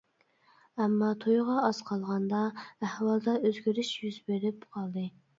ئەمما تويغا ئاز قالغاندا ئەھۋالدا ئۆزگىرىش يۈز بېرىپ قالدى.